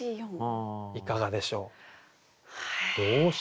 いかがでしょう？動詞。